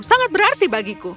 sangat berarti bagiku